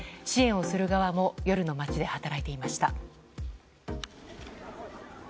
支援をする側も夜の街で働いていました。